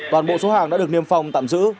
toàn bộ số hàng đã được niêm phong tạm giữ